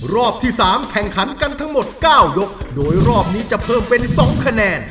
รอบที่๓แข่งขันกันทั้งหมด๙ยกโดยรอบนี้จะเพิ่มเป็น๒คะแนน